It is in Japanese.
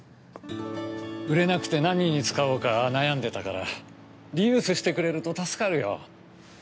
売れなくて何に使おうか悩んでたからリユースしてくれると助かるよ。